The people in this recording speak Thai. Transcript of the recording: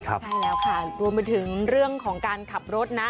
ใช่แล้วค่ะรวมไปถึงเรื่องของการขับรถนะ